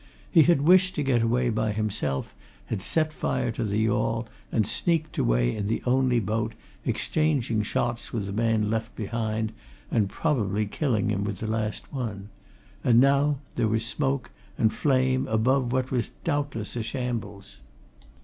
He had wished to get away by himself, had set fire to the yawl, and sneaked away in the only boat, exchanging shots with the man left behind and probably killing him with the last one. And now there was smoke and flame above what was doubtless a shambles.